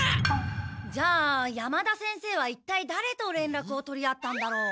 じゃあ山田先生はいったいだれと連絡を取り合ったんだろう。